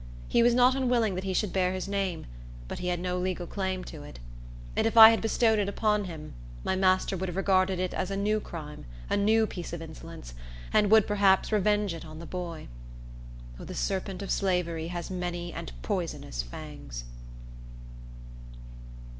He was not unwilling that he should bear his name; but he had no legal claim to it; and if I had bestowed it upon him, my master would have regarded it as a new crime, a new piece of insolence, and would, perhaps, revenge it on the boy. O, the serpent of Slavery has many and poisonous fangs!